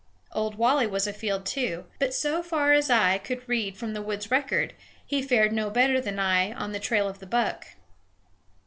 Old Wally was afield too; but, so far as I could read from the woods' record, he fared no better than I on the trail of the buck.